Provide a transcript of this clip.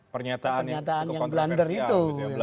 pernyataan yang blander itu